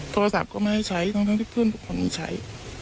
โทรศัพท์ก็ไม่ให้ใช้ทั้งที่เพื่อนทุกคนมีใช้